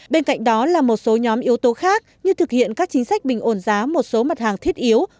bên cạnh đó là một số nhóm yếu tố khác như thực hiện các chính sách bình ổn giá một số mặt hàng thiết yếu